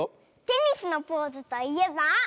テニスのポーズといえば？